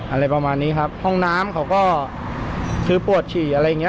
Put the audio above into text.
อะไรประมาณนี้ครับห้องน้ำเขาก็คือปวดฉี่อะไรอย่างเงี้